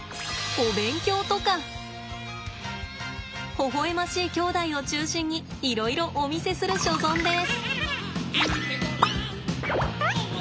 ほほ笑ましい兄弟を中心にいろいろお見せする所存です。